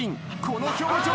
この表情。